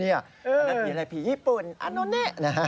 ผีอะไรผีญี่ปุ่นอันนูเน่